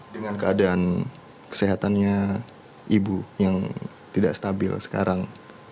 dengan keadaan kesehatannya ibu yang tidak stabil sekarang